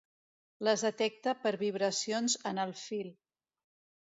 Les detecta per vibracions en el fil.